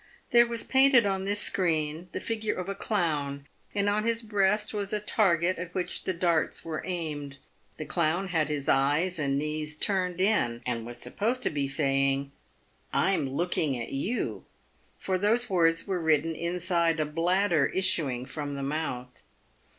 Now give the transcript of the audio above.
There was painted on this screen the figure of a clown, and on his breast was a target at which the dart3 were aimed. The clown had his eyes and knees turned in, and was supposed to be saying, " I'm looking at you," for those words were written inside a bladder is suing from the mouth.